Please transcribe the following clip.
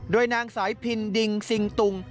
โดยนางสายพินดิงซิงตุง